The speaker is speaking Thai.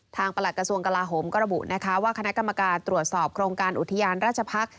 ประหลัดกระทรวงกลาโหมก็ระบุนะคะว่าคณะกรรมการตรวจสอบโครงการอุทยานราชพักษ์